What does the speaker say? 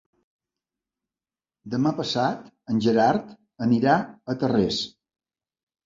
Demà passat en Gerard anirà a Tarrés.